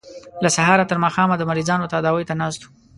له سهاره تر ماښامه د مریضانو تداوۍ ته ناست وو.